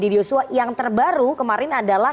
tiga diri usua yang terbaru kemarin adalah